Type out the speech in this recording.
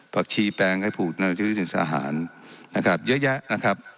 ชีแปลงให้ผูกในชีวิตสินทหารนะครับเยอะแยะนะครับ